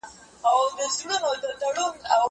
زه به اوږده موده درسونه ولولم،